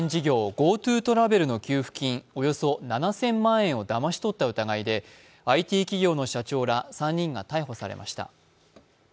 ＧｏＴｏトラベルの給付金、およそ７０００万円を出しまとった疑いでＩＴ企業の社長ら３人が逮捕されました。